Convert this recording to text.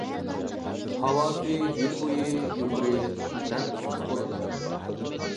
ھاۋاسى يىل بويى يۇقىرى، نەم ئىسسىق بولىدۇ.